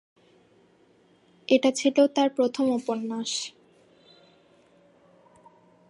এটি ছিলো তার প্রথম উপন্যাস।